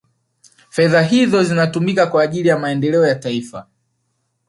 fedha hizo zinatumika kwa ajili ya maendeleo ya taifa